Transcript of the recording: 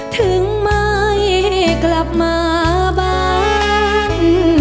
ถึงไม่กลับมาบ้าน